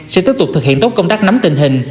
sẽ tiếp tục thực hiện tốt công tác nắm tình hình